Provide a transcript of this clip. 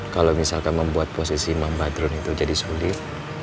kalau misalkan membuat posisi mang jadi sulit